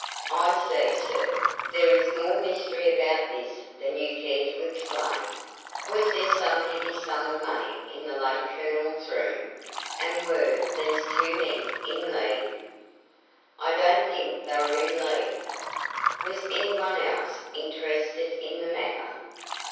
"I see, sir, there is more mystery about this than you care to explain. Was there some heavy sum of money in the late Colonel's room, and were these two men in league?" "I don't think they were in league." "Was any one else interested in the matter?"